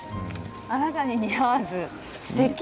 あなたに似合わずすてき。